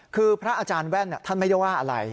คือพระอาจารย์แว่นท่านไม่ได้ว่าอะไร